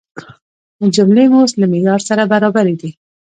جملې مې اوس له معیار سره برابرې دي.